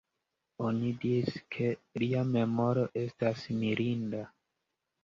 Oni diris ke lia memoro estas mirinda.